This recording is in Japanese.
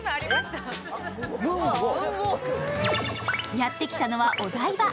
やってきたのはお台場。